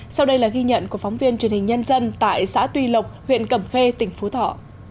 sau đây là ghi nhận của phóng viên truyền hình nhân dân tại xã tuy lộc huyện cẩm khê tỉnh phú thọ